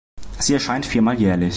Sie erscheint viermal jährlich.